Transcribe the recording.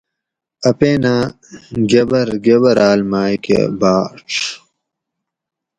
اپینہ گبر گبرال مئ کہ بھاۤڄ